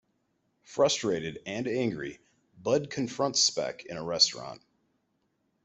Frustrated and angry, Bud confronts Speck in a restaurant.